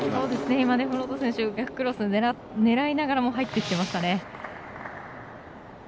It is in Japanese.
今、デフロート選手は逆クロス狙いながらも入ってきてましたね。